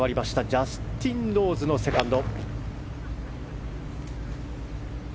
ジャスティン・ローズのセカンド。